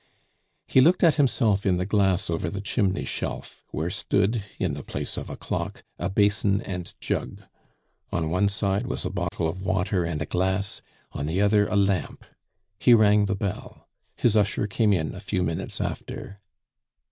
He looked at himself in the glass over the chimney shelf, where stood, in the place of a clock, a basin and jug. On one side was a bottle of water and a glass, on the other a lamp. He rang the bell; his usher came in a few minutes after.